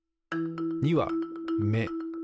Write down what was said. ２は「め」